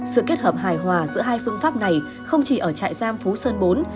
sự kết hợp hài hòa giữa hai phương pháp này không chỉ ở trại giam phú sơn bốn